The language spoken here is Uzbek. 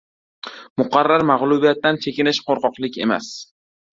• Muqarrar mag‘lubiyatdan chekinish qo‘rqoqlik emas.